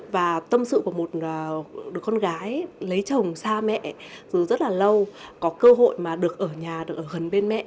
và tâm sự của một con gái lấy chồng xa mẹ từ rất là lâu có cơ hội mà được ở nhà được ở gần bên mẹ